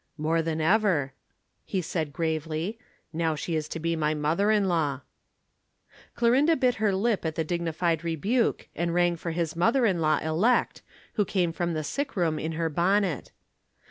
"More than ever," he said gravely, "now she is to be my mother in law." Clorinda bit her lip at the dignified rebuke, and rang for his mother in law elect, who came from the sick room in her bonnet.